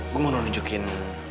gue mau nunjukin